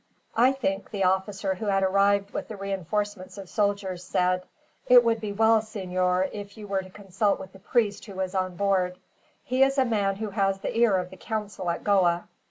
"I think," the officer who had arrived with the reinforcements of soldiers said, "it would be well, senor, if you were to consult with the priest who is on board. He is a man who has the ear of the council at Goa.